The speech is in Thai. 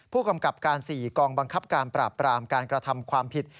ผู้กำกับการ๔กองบังคับการปราบปรามการกระทำความผิด